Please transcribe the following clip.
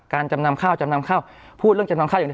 การจำนำข้าวจำนำข้าวพูดเรื่องจำนำข้าว